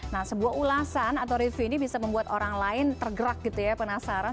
nah sebuah ulasan atau review ini bisa membuat orang lain tergerak gitu ya penasaran